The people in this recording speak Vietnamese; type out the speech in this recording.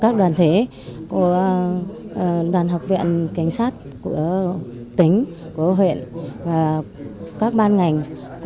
cảnh sát của tỉnh của huyện và các ban ngành